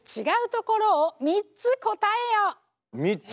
３つ！